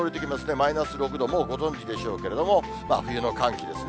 マイナス６度、もうご存じでしょうけれども、真冬の寒気ですね。